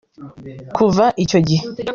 Kuva icyo gihe